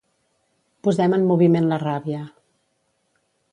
Posem en moviment la ràbia.